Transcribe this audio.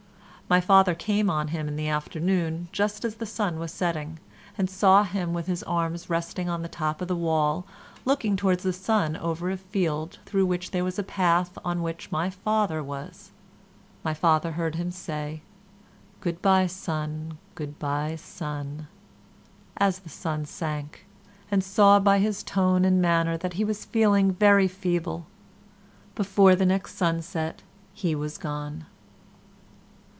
My father came on him in the afternoon, just as the sun was setting, and saw him with his arms resting on the top of the wall looking towards the sun over a field through which there was a path on which my father was. My father heard him say "Good bye, sun; good bye, sun," as the sun sank, and saw by his tone and manner that he was feeling very feeble. Before the next sunset he was gone.